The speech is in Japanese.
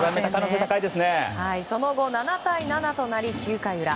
その後、７対７となり９回裏。